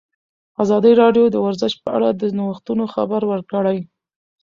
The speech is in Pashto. ازادي راډیو د ورزش په اړه د نوښتونو خبر ورکړی.